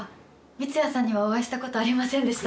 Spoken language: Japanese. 三津谷さんにはお会いしたことありませんでした。